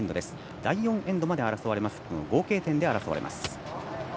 第４エンドまで合計点で争われます。